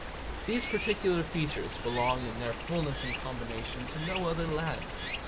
These particular features belong in their fulness and combination to no other land.